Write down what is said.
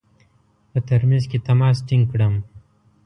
په ترمیز کې تماس ټینګ کړم.